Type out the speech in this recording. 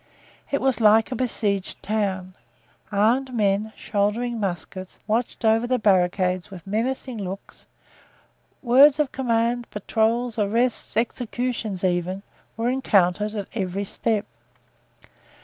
It was like a besieged town. Armed men, shouldering muskets, watched over the barricades with menacing looks; words of command, patrols, arrests, executions, even, were encountered at every step.